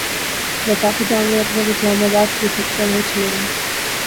وفاقی دارالحکومت اسلام آباد کے سیکٹر ایچ الیون